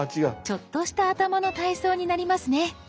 ちょっとした頭の体操になりますね。